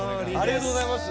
ありがとうございます！